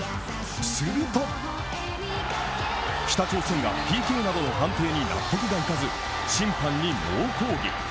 すると北朝鮮がＰＫなどの判定に納得がいかず、審判に猛抗議。